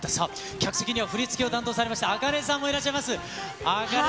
客席には振り付けを担当されました、ａｋａｎｅさんもいらっしゃいます。